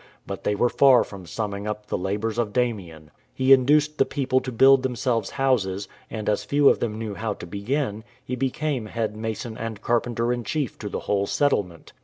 But they were far from summing up the labours of Damien. He induced the people to build themselves houses, and as few of them knew how to begin, he became head mason and carpenter in chief to the whole settlement.